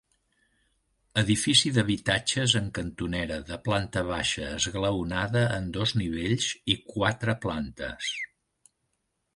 Edifici d'habitatges en cantonera, de planta baixa, esglaonada en dos nivells, i quatre plantes.